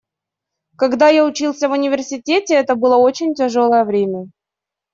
Когда я учился в университете, это было очень тяжелое время.